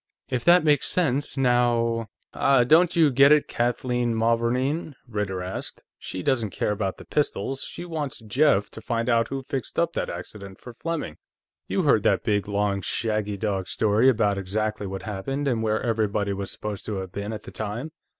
"If that makes sense, now ..." "Ah, don't you get it, Kathleen Mavourneen?" Ritter asked. "She doesn't care about the pistols; she wants Jeff to find out who fixed up that accident for Fleming. You heard that big, long shaggy dog story about exactly what happened and where everybody was supposed to have been at the time.